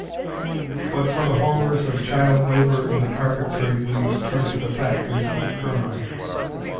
] But for the horrors of child labor in the carpet trade we must turn to the factories of Kirman.